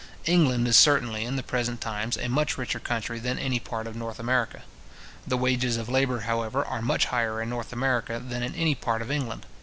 England is certainly, in the present times, a much richer country than any part of North America. The wages of labour, however, are much higher in North America than in any part of England.